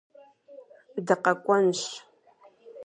Дыкъэкӏуэнщ.